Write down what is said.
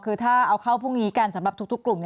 คือถ้าเอาเข้าพรุ่งนี้กันสำหรับทุกกลุ่ม